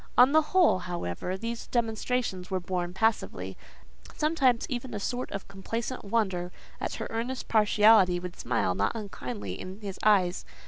On the whole, however, these demonstrations were borne passively: sometimes even a sort of complacent wonder at her earnest partiality would smile not unkindly in his eyes.